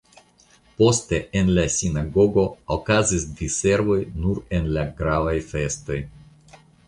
Poste en la sinagogo okazis diservoj nur en la gravaj festoj.